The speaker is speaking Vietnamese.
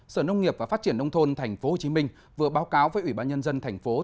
sở nông nghiệp và phát triển nông thôn tp hcm vừa báo cáo với ủy ban nhân dân thành phố